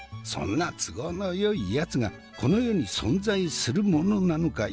そんな都合のよいヤツがこの世に存在するものなのか否か。